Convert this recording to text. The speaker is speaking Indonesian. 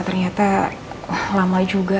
ternyata lama juga